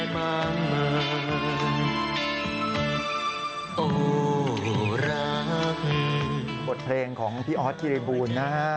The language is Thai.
บทเพลงของพี่ออภคิรีบูนนะครับ